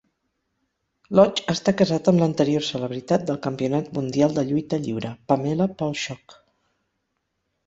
Lodge està casat amb l'anterior celebritat del Campionat Mundial de Lluita Lliure, Pamela Paulshock.